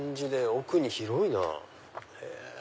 奥に広いなぁ。